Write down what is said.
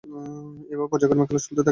এভাবে পর্যায়ক্রমে খেলা চলতে থাকে।